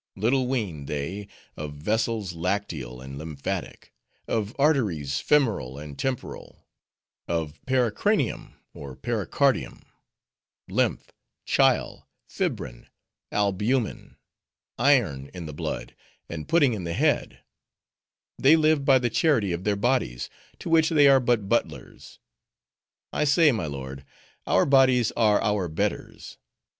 Little ween they, of vessels lacteal and lymphatic, of arteries femoral and temporal; of pericranium or pericardium; lymph, chyle, fibrin, albumen, iron in the blood, and pudding in the head; they live by the charity of their bodies, to which they are but butlers. I say, my lord, our bodies are our betters.